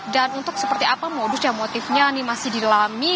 untuk seperti apa modus dan motifnya ini masih dilami